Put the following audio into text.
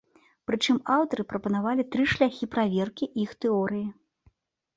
Прычым, аўтары прапанавалі тры шляхі праверкі іх тэорыі.